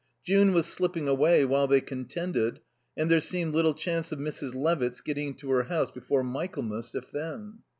June was slipping away while they contended, and there seemed little chance of Mrs. Levitt's getting into her house before Michaelmas, if then.